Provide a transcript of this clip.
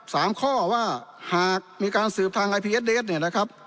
สามข้อว่าหากมีการสืบทางเนี่ยนะครับ